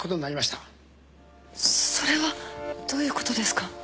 それはどういうことですか？